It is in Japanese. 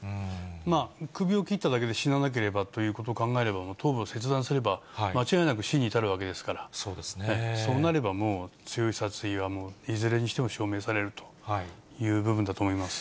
まあ、首を切っただけで死ななければということを考えれば、頭部を切断すれば、間違いなく死に至るわけですから、そうなればもう、強い殺意はもう、いずれにしても証明されるという部分だと思います。